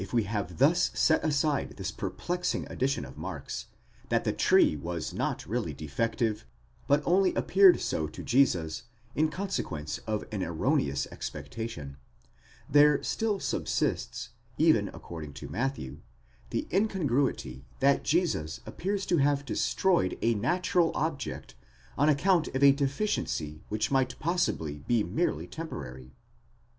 But even when we have thus set aside this perplexing addition of Mark's, that the tree was not really defective, but only appeared so to Jesus in con sequence of an erroneous expectation : there still subsists, even according to Matthew, the incongruity that Jesus appears to have destroyed a natural object on account of a deficiency which might possibly be merely tem porary.